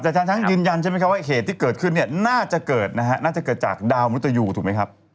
ครับแต่ฉันยืนยันใช่ไหมครับว่าเหตุที่เกิดขึ้นน่าจะเกิดนะครับน่าจะเกิดจากดาวมริตยูถูกไหมครับ